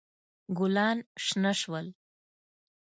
ګلان شنه شول.